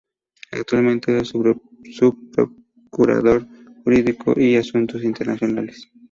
Actualmente es el Subprocurador Jurídico y de Asuntos Internacionales.